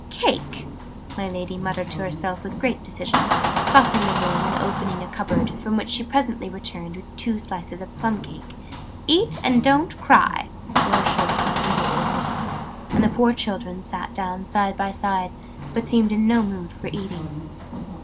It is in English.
"Cake!" my Lady muttered to herself with great decision, crossing the room and opening a cupboard, from which she presently returned with two slices of plum cake. "Eat, and don't cry!" were her short and simple orders: and the poor children sat down side by side, but seemed in no mood for eating.